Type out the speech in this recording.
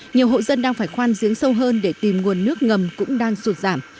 nhiều hộ dân đang phải khoan giếng sâu hơn để tìm nguồn nước ngầm cũng đang sụt giảm